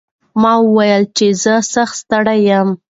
ما وویل چې زه سخت ستړی یم.